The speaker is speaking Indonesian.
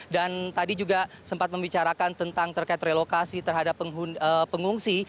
dan tadi juga sempat membicarakan tentang terkait relokasi terhadap pengungsi